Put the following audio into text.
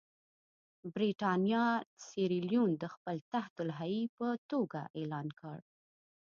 برېټانیا سیریلیون د خپل تحت الحیې په توګه اعلان کړ.